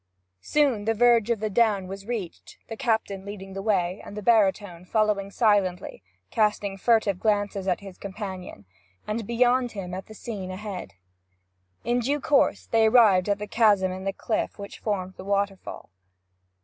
Soon the verge of the down was reached, the captain leading the way, and the baritone following silently, casting furtive glances at his companion, and beyond him at the scene ahead. In due course they arrived at the chasm in the cliff which formed the waterfall.